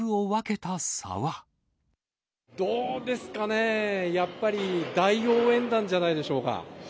どうですかね、やっぱり大応援団じゃないでしょうか。